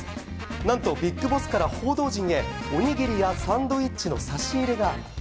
何と、ビッグボスから報道陣へおにぎりやサンドイッチの差し入れが。